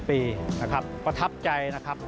ปีนะครับประทับใจนะครับ